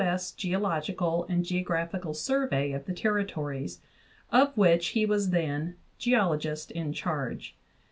S. Geological and Geographical Survey of the Territories," of which he was then "geologist in charge."